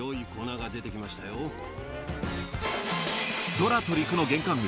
空と陸の玄関口